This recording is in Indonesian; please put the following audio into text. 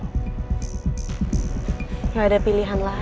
nggak ada pilihan lain